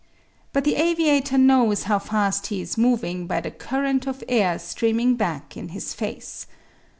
But the aviator knows how fast he is moving by the current of air streaming back in his face.